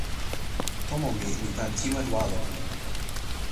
tomo mi li tan kiwen walo.